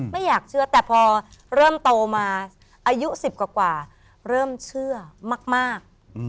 ไม่อยากเชื่อแต่พอเริ่มโตมาอายุ๑๐กว่าเริ่มเชื่อมาก